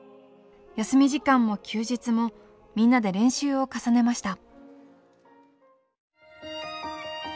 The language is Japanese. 休み時間も休日もみんなで練習を重ねました。